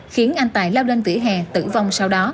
khiến anh tài lao lên vỉa hè tử vong sau đó